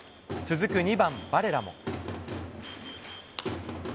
続く２番バレラモ。